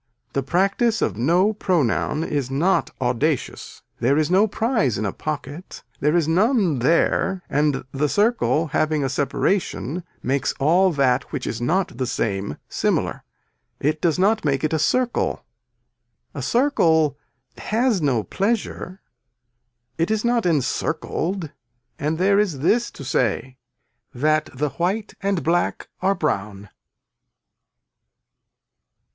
The practice of no pronoun is not audacious. There is no prize in a pocket. There is none there and the circle having a separation makes all that which is not the same similar, it does not make it a circle. A circle has no pleasure, it is not encircled and there is this to say that the white and black are brown.